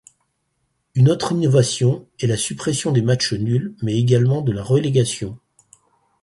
Une autre innovation est la suppression des matchs nuls mais également de la relégation.